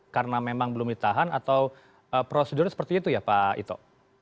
karena memang belum ditahan atau prosedur seperti itu ya pak ito